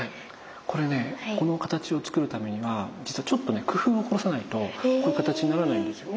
これねこの形をつくるためには実はちょっとね工夫を凝らさないとこういう形にならないんですよ。